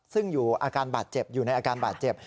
ซึ่งอยู่ในอาการบาดเจ็บ